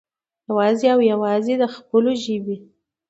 يوازې او يوازې د خپلو ژبې